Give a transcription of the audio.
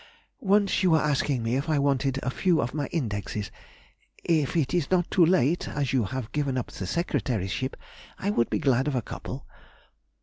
Once you were asking me if I wanted a few of my Indexes; if it is not too late (as you have given up the secretaryship), I would be glad of a couple.